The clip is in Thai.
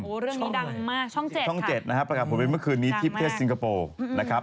โอ้เรื่องนี้ดังมากช่องเจ็ดค่ะช่องเจ็ดนะฮะประกาศผลเป็นเมื่อคืนนี้ที่เพศซิงคโปร์นะครับ